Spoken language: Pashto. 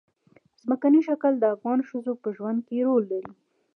ځمکنی شکل د افغان ښځو په ژوند کې رول لري.